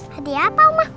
hadiah apa oma